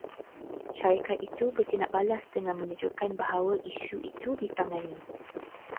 Syarikat itu bertindak balas dengan menunjukkan bahawa isu itu ditangani